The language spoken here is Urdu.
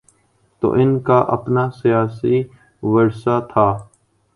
تو ان کا اپنا سیاسی ورثہ تھا۔